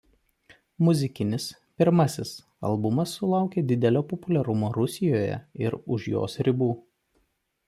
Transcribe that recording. Muzikinis „Pirmasis“ albumas sulaukė didelio populiarumo Rusijoje ir už jos ribų.